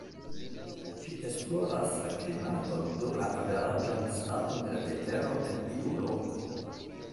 Ĝi esploras la klimaton, do la averaĝan staton de la vetero en iu loko.